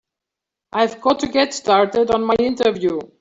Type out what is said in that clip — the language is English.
I've got to get started on my interview.